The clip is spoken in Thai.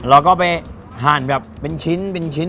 เราก็ไปหั่นแบบเป็นชิ้น